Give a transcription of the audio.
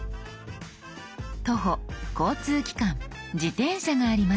「徒歩」「交通機関」「自転車」があります。